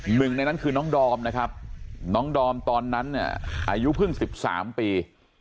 หนึ่งในนั้นคือน้องดอมนะครับน้องดอมตอนนั้นเนี่ยอายุเพิ่ง๑๓ปี